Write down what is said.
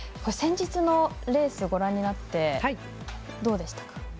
先日のレース、ご覧になってどうでしたか？